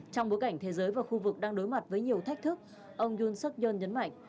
trong bối cảnh thế giới và khu vực đang đối mặt với nhiều thách thức ông yun suk yoon nhấn mạnh